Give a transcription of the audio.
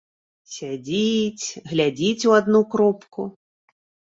Сядзіць, глядзіць у адну кропку.